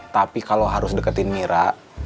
tapi kalau harus deketin mira